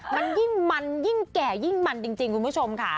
มันยิ่งมันยิ่งแก่ยิ่งมันจริงคุณผู้ชมค่ะ